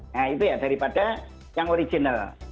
nah itu ya daripada yang original